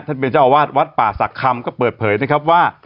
เป็นเจ้าอาวาสวัดป่าศักดิ์คำก็เปิดเผยนะครับว่า